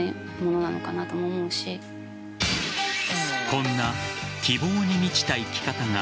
こんな希望に満ちた生き方が